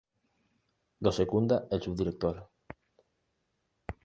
Lo secunda el Subdirector.